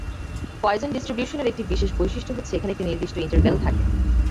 Poison distribution এর একটি বিশেষ বৈশিষ্ট্য হচ্ছে এখানে একটি নির্দিষ্ট ইন্টারভ্যাল থাকে।